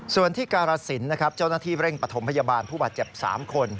ส่วนที่การสินนะครับเจ้าหน้าที่เร่งปฐมพยาบาลผู้บาดเจ็บ๓คน